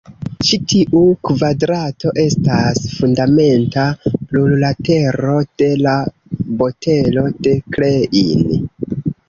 Ĉi tiu kvadrato estas fundamenta plurlatero de la botelo de Klein.